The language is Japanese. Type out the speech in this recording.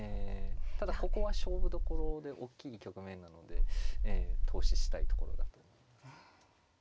ただここは勝負どころでおっきい局面なので投資したいところだと思います。